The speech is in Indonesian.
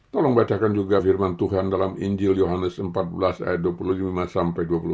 tolong badakan juga firman tuhan dalam injil yohanes empat belas ayat dua puluh lima sampai dua puluh enam